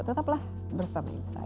tetaplah bersama saya